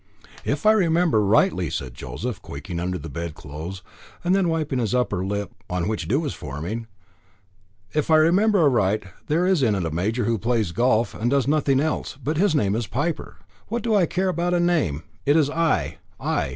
"If I remember rightly," said Joseph, quaking under the bedclothes, and then wiping his upper lip on which a dew was forming, "If I remember aright, there is in it a major who plays golf, and does nothing else; but his name is Piper." "What do I care about a name? It is I I.